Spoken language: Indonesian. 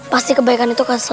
pasti kebaikan itu akan selalu